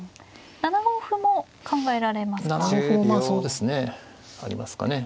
７五歩も考えられますか。